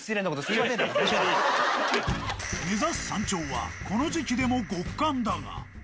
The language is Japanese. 目指す山頂は、この時期でも極寒だが。